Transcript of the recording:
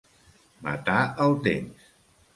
Matar el temps.